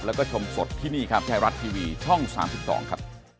แล้วก็ชมสดที่นี่ครับไทยรัฐทีวีช่อง๓๒ครับ